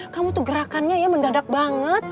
kamu tuh gerakannya ya mendadak banget